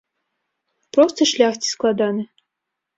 Просты шлях ці складаны?